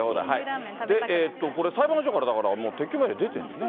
これ、裁判所から、だから撤去命令が出てるんですね。